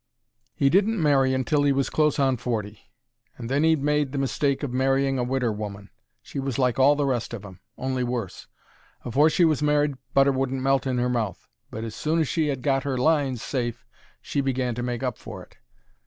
He didn't marry until 'e was close on forty; and then 'e made the mistake of marrying a widder woman. She was like all the rest of 'em—only worse. Afore she was married butter wouldn't melt in 'er mouth, but as soon as she 'ad got her "lines" safe she began to make up for it.